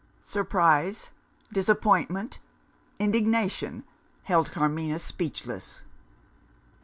Surprise, disappointment, indignation held Carmina speechless.